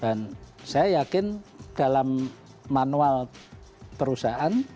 dan saya yakin dalam manual perusahaan